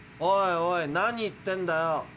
おいおい何言ってんだよ。